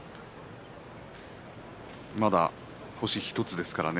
まだ星１つですからね。